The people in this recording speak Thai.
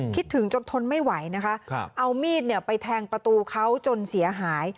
คิดถึงจนทนไม่ไหวนะคะเอามีดไปแทงประตูเขาจนเสียหาย